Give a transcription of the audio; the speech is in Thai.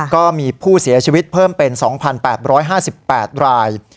ก็มีผู้เสียชีวิตเพิ่มเป็น๒๘๕๘ราย